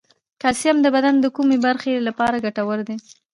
کلسیم د بدن د کومې برخې لپاره ګټور دی